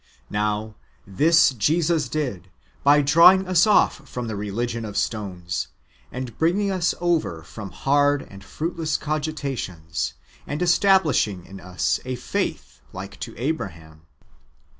^ Now, tliis Jesus did by drawing us off from the religion of stones, and bringing us over from hard and fruitless cogitations, and estabhshing in us a faith like to Abraham.